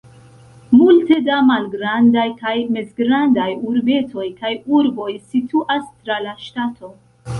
Multe da malgrandaj kaj mezgrandaj urbetoj kaj urboj situas tra la ŝtato.